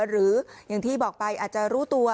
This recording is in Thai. หรืออย่างที่บอกไปอาจจะรู้ตัว